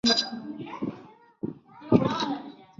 富含女性荷尔蒙诱导素和植物性雌激素。